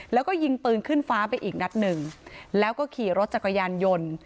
แล้วก็ยิงปืนขึ้นฟ้าไปอีกนัดหนึ่งแล้วก็ขี่รถจักรยานยนต์